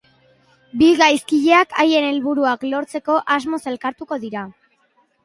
Bi gaizkileak haien helburuak lortzeko asmoz elkartuko dira.